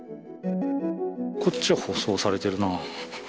こっちは舗装されてるな。